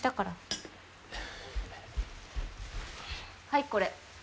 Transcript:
はいこれ。